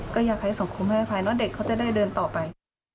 ก็อยากให้สังคมให้อภัยเนอะเด็กเขาจะได้เดินต่อไป